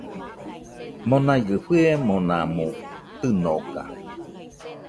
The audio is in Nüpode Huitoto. Monaigɨ fɨemonamo tɨnoka